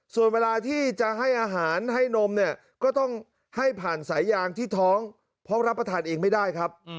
ส่วนเวลาที่จะให้อาหารให้นมเนี่ยก็ต้องให้ผ่านสายยางที่ท้องเพราะรับประทานเองไม่ได้ครับ